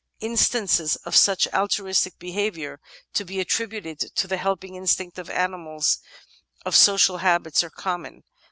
Instances of such altruistic behaviour, to be attributed to the helping instinct in animals of social habits, are common.